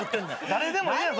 誰でもええやん。